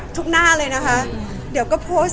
หน้าเลยนะคะเดี๋ยวก็โพสต์